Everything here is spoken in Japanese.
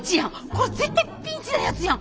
これ絶対ピンチなやつやん！